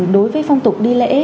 đối với phong tục đi lễ